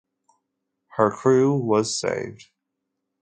Her crew was saved.